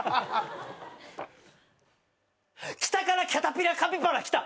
北からキャタピラカピバラ来た。